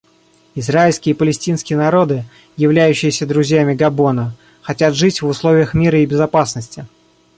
Израильский и палестинский народы, являющиеся друзьями Габона, хотят жить в условиях мира и безопасности.